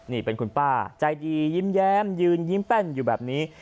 นี่เป็นคุณป้าใจดียิ้มแย้มยืนยิ้มแป้นอยู่แบบนี้